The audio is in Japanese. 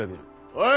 おい。